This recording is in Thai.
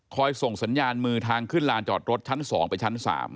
ส่งสัญญาณมือทางขึ้นลานจอดรถชั้น๒ไปชั้น๓